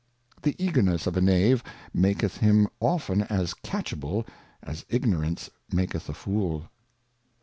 The Eagerness of a Knave maketh him often as catchable, as Ignorance maketh a Fool.